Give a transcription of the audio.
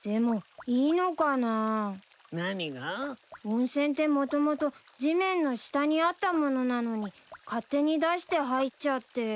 温泉ってもともと地面の下にあったものなのに勝手に出して入っちゃって。